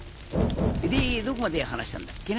でどこまで話したんだっけな？